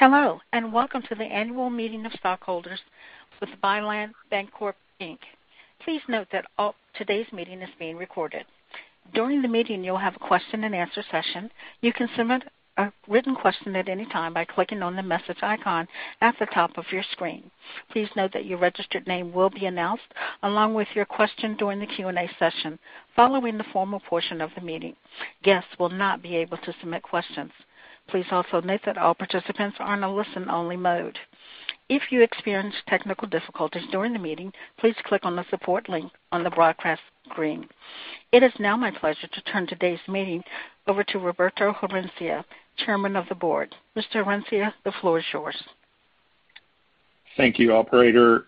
Hello, welcome to the annual meeting of stockholders with Byline Bancorp Inc. Please note that today's meeting is being recorded. During the meeting, you'll have a question and answer session. You can submit a written question at any time by clicking on the message icon at the top of your screen. Please note that your registered name will be announced along with your question during the Q&A session, following the formal portion of the meeting. Guests will not be able to submit questions. Please also note that all participants are on a listen-only mode. If you experience technical difficulties during the meeting, please click on the support link on the broadcast screen. It is now my pleasure to turn today's meeting over to Roberto Herencia, Chairman of the Board. Mr. Herencia, the floor is yours. Thank you, operator.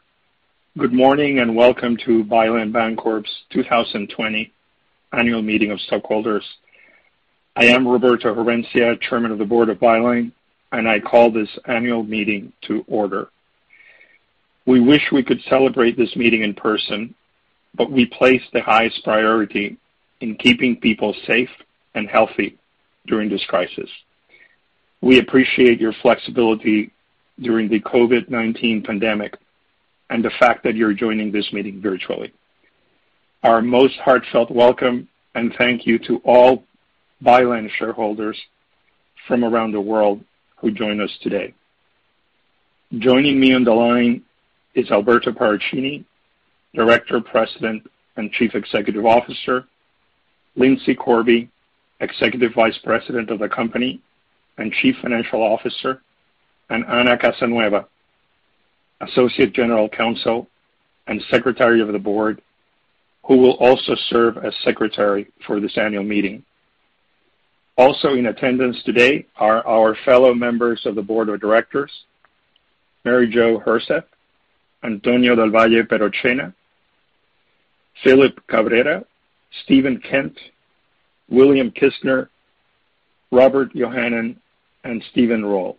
Good morning, and welcome to Byline Bancorp's 2020 annual meeting of stockholders. I am Roberto Herencia, Chairman of the Board of Byline, and I call this annual meeting to order. We wish we could celebrate this meeting in person, but we place the highest priority in keeping people safe and healthy during this crisis. We appreciate your flexibility during the COVID-19 pandemic and the fact that you're joining this meeting virtually. Our most heartfelt welcome and thank you to all Byline shareholders from around the world who join us today. Joining me on the line is Alberto Paracchini, Director, President, and Chief Executive Officer, Lindsay Corby, Executive Vice President of the company and Chief Financial Officer, and Ana Casanueva, Associate General Counsel and Secretary of the Board, who will also serve as Secretary for this annual meeting. Also in attendance today are our fellow members of the board of directors, Mary Jo Herseth, Antonio del Valle Perochena, Phillip Cabrera, Steven Kent, William Kistner, Robert Yohanan, and Steven Rull.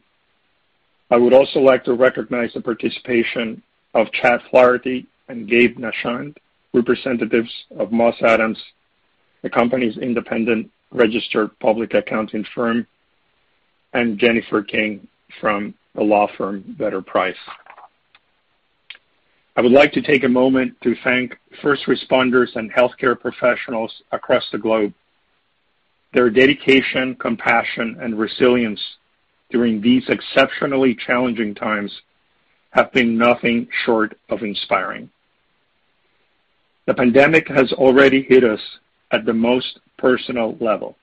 I would also like to recognize the participation of Chad Flaherty and Gabe Nashan, representatives of Moss Adams, the company's independent registered public accounting firm, and Jennifer King from the law firm Vedder Price. I would like to take a moment to thank first responders and healthcare professionals across the globe. Their dedication, compassion, and resilience during these exceptionally challenging times have been nothing short of inspiring. The pandemic has already hit us at the most personal level.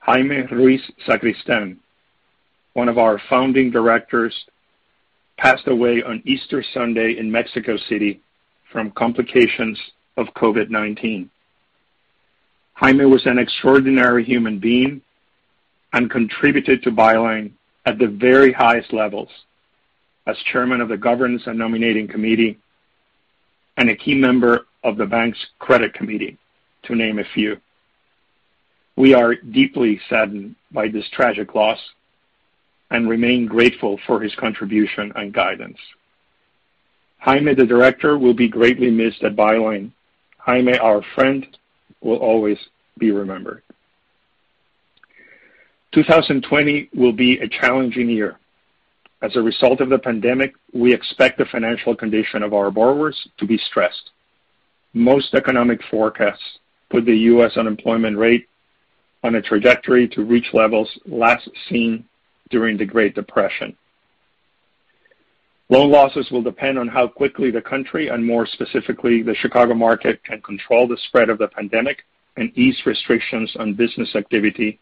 Jaime Ruiz Sacristán, one of our founding directors, passed away on Easter Sunday in Mexico City from complications of COVID-19. Jaime was an extraordinary human being and contributed to Byline at the very highest levels as chairman of the Governance and Nominating Committee and a key member of the bank's Credit Committee, to name a few. We are deeply saddened by this tragic loss and remain grateful for his contribution and guidance. Jaime the director will be greatly missed at Byline. Jaime, our friend, will always be remembered. 2020 will be a challenging year. As a result of the pandemic, we expect the financial condition of our borrowers to be stressed. Most economic forecasts put the U.S. unemployment rate on a trajectory to reach levels last seen during the Great Depression. Loan losses will depend on how quickly the country, and more specifically, the Chicago market can control the spread of the pandemic and ease restrictions on business activity,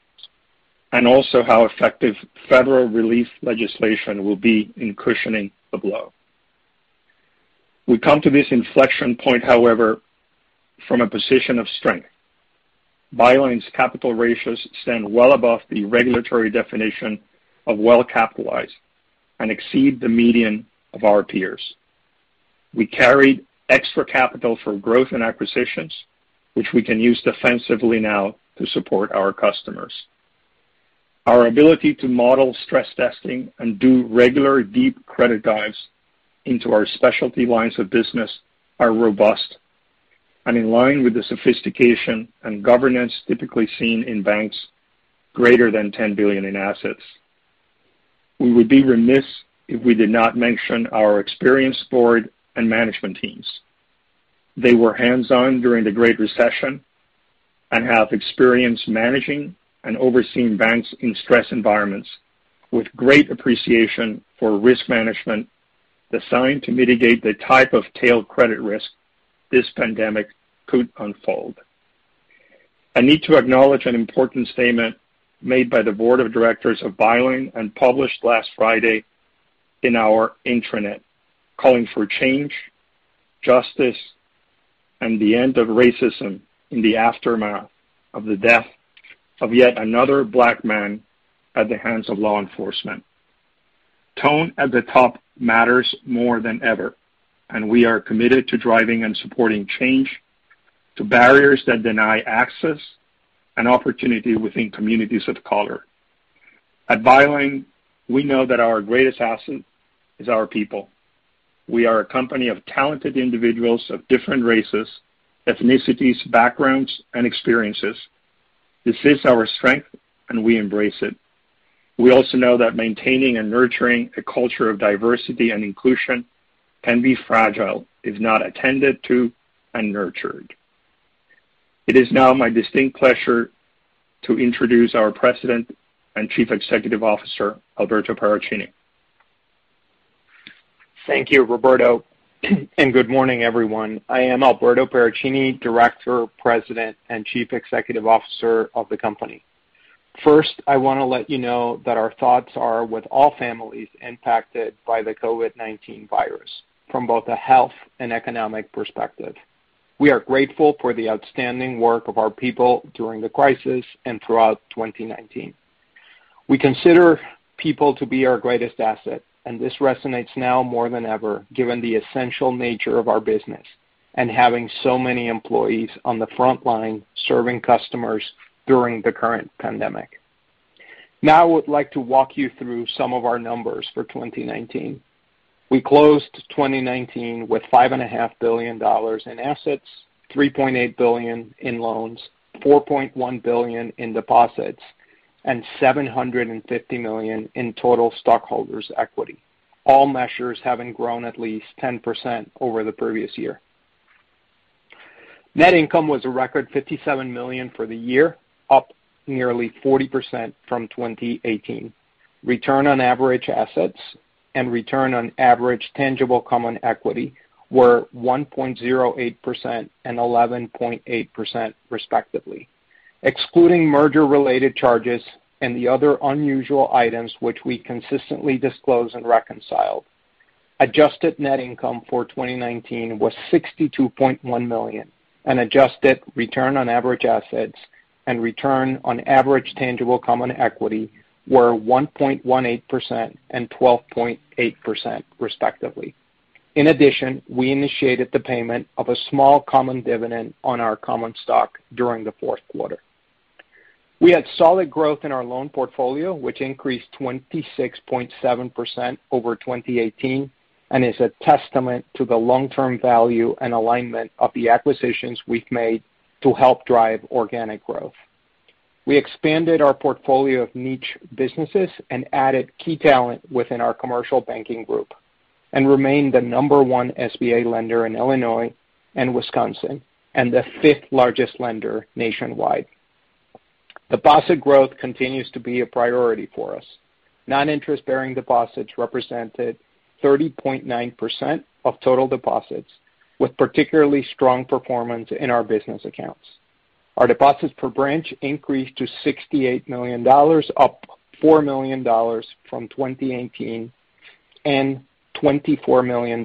and also how effective federal relief legislation will be in cushioning the blow. We come to this inflection point, however, from a position of strength. Byline's capital ratios stand well above the regulatory definition of well-capitalized and exceed the median of our peers. We carried extra capital for growth and acquisitions, which we can use defensively now to support our customers. Our ability to model stress testing and do regular deep credit dives into our specialty lines of business are robust and in line with the sophistication and governance typically seen in banks greater than 10 billion in assets. We would be remiss if we did not mention our experienced board and management teams. They were hands-on during the Great Recession and have experience managing and overseeing banks in stress environments with great appreciation for risk management designed to mitigate the type of tail credit risk this pandemic could unfold. I need to acknowledge an important statement made by the board of directors of Byline and published last Friday in our intranet calling for change, justice, and the end of racism in the aftermath of the death of yet another Black man at the hands of law enforcement. Tone at the top matters more than ever. We are committed to driving and supporting change to barriers that deny access and opportunity within communities of color. At Byline, we know that our greatest asset is our people. We are a company of talented individuals of different races, ethnicities, backgrounds, and experiences. This is our strength. We embrace it. We also know that maintaining and nurturing a culture of diversity and inclusion can be fragile if not attended to and nurtured. It is now my distinct pleasure to introduce our President and Chief Executive Officer, Alberto Paracchini. Thank you, Roberto. Good morning, everyone. I am Alberto Paracchini, Director, President, and Chief Executive Officer of the company. First, I want to let you know that our thoughts are with all families impacted by the COVID-19 virus from both a health and economic perspective. We are grateful for the outstanding work of our people during the crisis and throughout 2019. We consider people to be our greatest asset, and this resonates now more than ever, given the essential nature of our business and having so many employees on the front line serving customers during the current pandemic. Now, I would like to walk you through some of our numbers for 2019. We closed 2019 with $5.5 billion in assets, $3.8 billion in loans, $4.1 billion in deposits, and $750 million in total stockholders' equity. All measures having grown at least 10% over the previous year. Net income was a record $57 million for the year, up nearly 40% from 2018. Return on average assets and return on average tangible common equity were 1.08% and 11.8%, respectively. Excluding merger related charges and the other unusual items which we consistently disclose and reconcile, adjusted net income for 2019 was $62.1 million, and adjusted return on average assets and return on average tangible common equity were 1.18% and 12.8%, respectively. We initiated the payment of a small common dividend on our common stock during the fourth quarter. We had solid growth in our loan portfolio, which increased 26.7% over 2018, and is a testament to the long-term value and alignment of the acquisitions we've made to help drive organic growth. We expanded our portfolio of niche businesses and added key talent within our commercial banking group and remained the number one SBA lender in Illinois and Wisconsin, and the fifth largest lender nationwide. Deposit growth continues to be a priority for us. Non-interest-bearing deposits represented 30.9% of total deposits, with particularly strong performance in our business accounts. Our deposits per branch increased to $68 million, up $4 million from 2018 and $24 million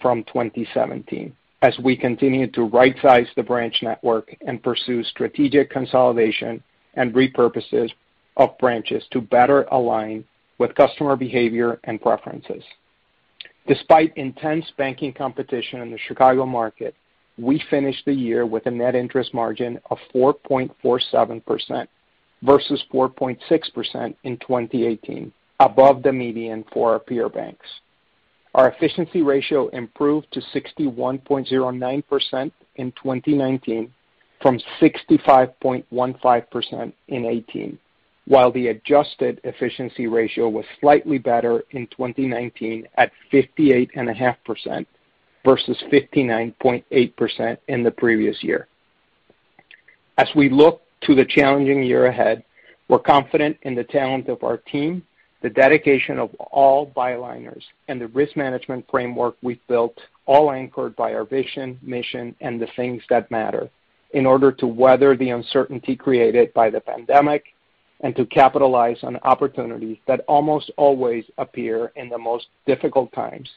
from 2017. As we continue to right-size the branch network and pursue strategic consolidation and repurposes of branches to better align with customer behavior and preferences. Despite intense banking competition in the Chicago market, we finished the year with a net interest margin of 4.47% versus 4.6% in 2018, above the median for our peer banks. Our efficiency ratio improved to 61.09% in 2019 from 65.15% in 2018. While the adjusted efficiency ratio was slightly better in 2019 at 58.5% versus 59.8% in the previous year. As we look to the challenging year ahead, we're confident in the talent of our team, the dedication of all Byliners, and the risk management framework we've built, all anchored by our vision, mission, and the things that matter in order to weather the uncertainty created by the pandemic and to capitalize on opportunities that almost always appear in the most difficult times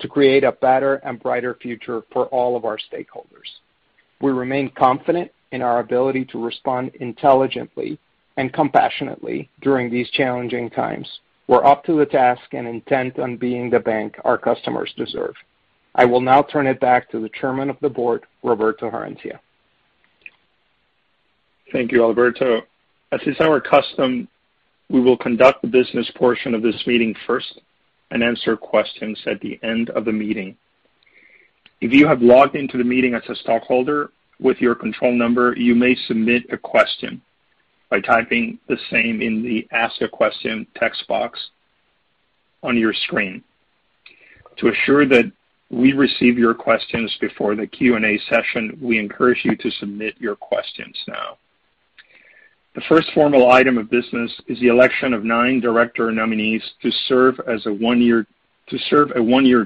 to create a better and brighter future for all of our stakeholders. We remain confident in our ability to respond intelligently and compassionately during these challenging times. We're up to the task and intent on being the bank our customers deserve. I will now turn it back to the Chairman of the Board, Roberto Herencia. Thank you, Alberto. As is our custom, we will conduct the business portion of this meeting first and answer questions at the end of the meeting. If you have logged into the meeting as a stockholder with your control number, you may submit a question by typing the same in the Ask a Question text box on your screen. To assure that we receive your questions before the Q&A session, we encourage you to submit your questions now. The first formal item of business is the election of nine director nominees to serve a one-year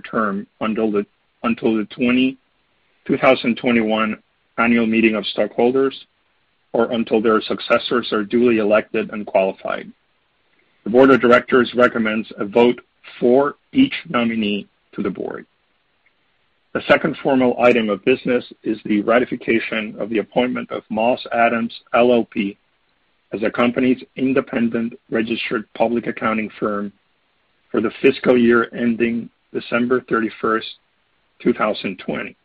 term until the 2021 annual meeting of stockholders or until their successors are duly elected and qualified. The board of directors recommends a vote for each nominee to the board. The second formal item of business is the ratification of the appointment of Moss Adams LLP as the company's independent registered public accounting firm for the fiscal year ending December 31st, 2020.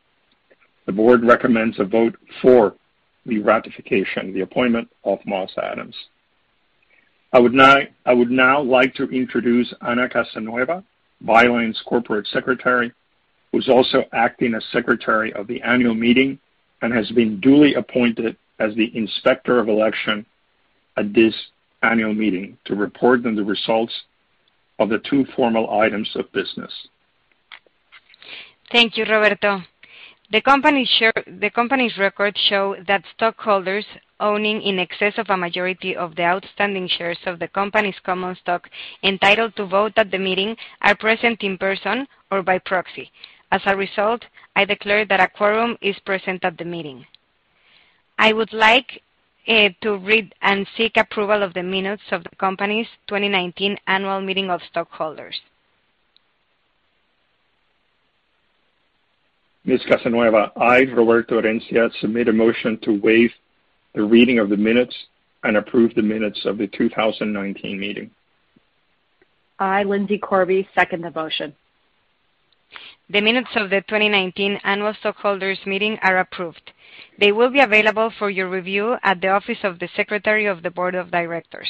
The board recommends a vote for the ratification, the appointment of Moss Adams. I would now like to introduce Ana Casanueva, Byline's Corporate Secretary, who's also acting as Secretary of the annual meeting and has been duly appointed as the Inspector of Election at this annual meeting to report on the results of the two formal items of business. Thank you, Roberto. The company's records show that stockholders owning in excess of a majority of the outstanding shares of the company's common stock entitled to vote at the meeting are present in person or by proxy. As a result, I declare that a quorum is present at the meeting. I would like to read and seek approval of the minutes of the company's 2019 annual meeting of stockholders. Ms. Casanueva, I, Roberto Herencia, submit a motion to waive the reading of the minutes and approve the minutes of the 2019 meeting. I, Lindsay Corby, second the motion. The minutes of the 2019 annual stockholders meeting are approved. They will be available for your review at the office of the Secretary of the Board of Directors.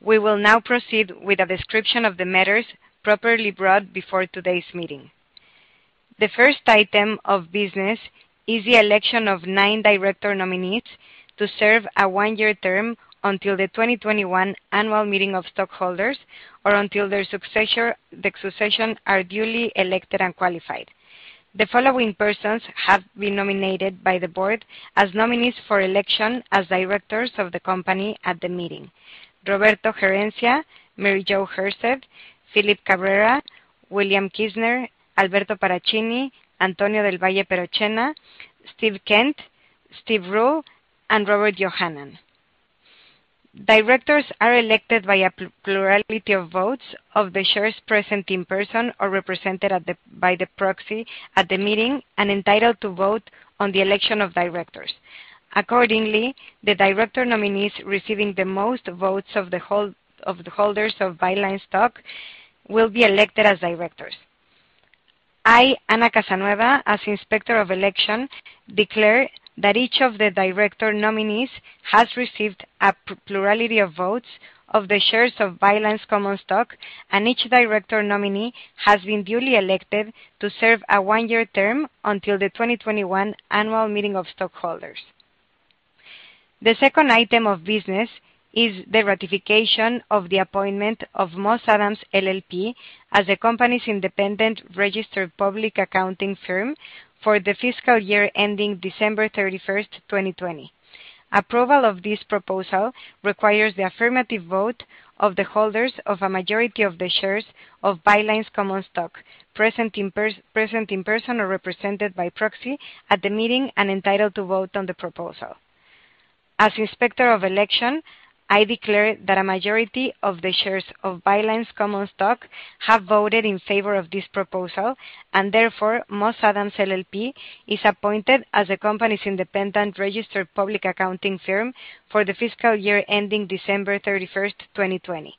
We will now proceed with a description of the matters properly brought before today's meeting. The first item of business is the election of nine director nominees to serve a one-year term until the 2021 annual meeting of stockholders or until their succession are duly elected and qualified. The following persons have been nominated by the board as nominees for election as directors of the company at the meeting: Roberto Herencia, Mary Jo Herseth, Phillip Cabrera, William Kistner, Alberto Paracchini, Antonio del Valle Perochena, Steven Kent, Steven Rull, and Robert Yohanan. Directors are elected by a plurality of votes of the shares present in person or represented by the proxy at the meeting and entitled to vote on the election of directors. Accordingly, the director nominees receiving the most votes of the holders of Byline stock will be elected as directors. I, Ana Casanueva, as Inspector of Election, declare that each of the director nominees has received a plurality of votes of the shares of Byline's common stock, and each director nominee has been duly elected to serve a one-year term until the 2021 annual meeting of stockholders. The second item of business is the ratification of the appointment of Moss Adams LLP as the company's independent registered public accounting firm for the fiscal year ending December 31st, 2020. Approval of this proposal requires the affirmative vote of the holders of a majority of the shares of Byline's common stock present in person or represented by proxy at the meeting and entitled to vote on the proposal. As Inspector of Election, I declare that a majority of the shares of Byline's common stock have voted in favor of this proposal, and therefore, Moss Adams LLP is appointed as the company's independent registered public accounting firm for the fiscal year ending December 31st, 2020.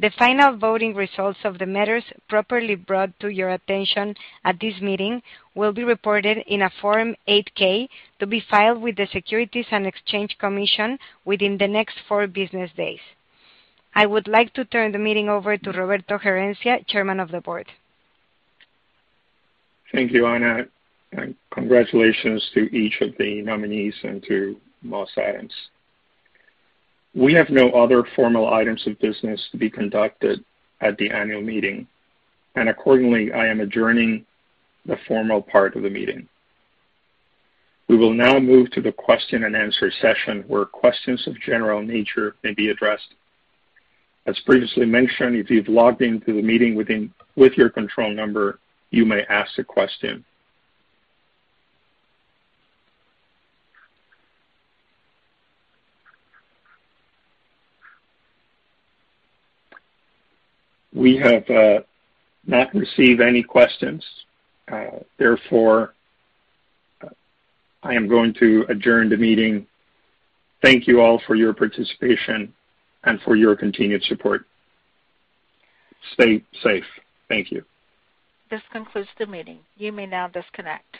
The final voting results of the matters properly brought to your attention at this meeting will be reported in a Form 8-K to be filed with the Securities and Exchange Commission within the next four business days. I would like to turn the meeting over to Roberto Herencia, Chairman of the Board. Thank you, Ana, and congratulations to each of the nominees and to Moss Adams. We have no other formal items of business to be conducted at the annual meeting, and accordingly, I am adjourning the formal part of the meeting. We will now move to the question and answer session, where questions of general nature may be addressed. As previously mentioned, if you've logged into the meeting with your control number, you may ask a question. We have not received any questions. Therefore, I am going to adjourn the meeting. Thank you all for your participation and for your continued support. Stay safe. Thank you. This concludes the meeting. You may now disconnect.